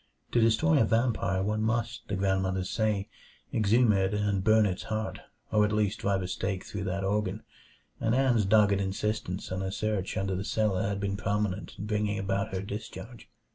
To destroy a vampire one must, the grandmothers say, exhume it and burn its heart, or at least drive a stake through that organ; and Ann's dogged insistence on a search under the cellar had been prominent in bringing about her discharge.